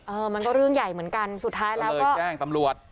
เออมันก็เรื่องใหญ่เหมือนกันสุดท้ายแล้วว่าตำรวจแจ้งตำรวจ